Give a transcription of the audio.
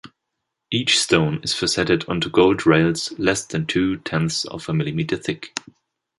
Each stone is faceted onto gold rails less than two-tenths of a millimeter thick.